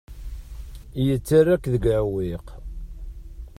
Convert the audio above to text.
Yettarra-k deg uɛewwiq.